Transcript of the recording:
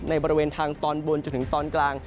บริเวณทางตอนบนจนถึงตอนกลาง